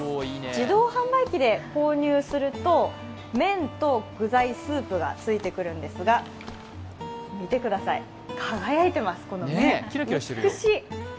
自動販売機で購入すると、麺と具材、スープがついてくるんですが、見てください、輝いてます、この麺美しい。